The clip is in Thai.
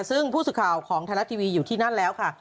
ซึ่งผู้สื่อข่าวของไทยรัฐทีวีอยู่ที่นั่นแล้วค่ะ